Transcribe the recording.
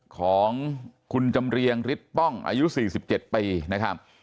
ของคุณจำเรียงฤทธิ์ป้องอายุ๔๗ปีนะครับ